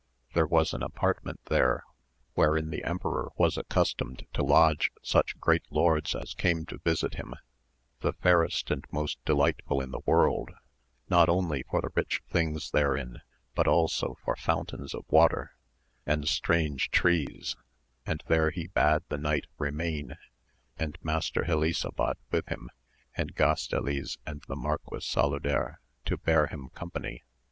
There was an apartment there wherein the emperor was accustomed to lodge such great lords as came to visit him, the fairest and most delightful in the world, not only for the rich things therein but also for fountains of water, and strange trees, and there he bade the knight remain and Master Helisabad with him, and GastHes and the Marquis Saluder to bear him company.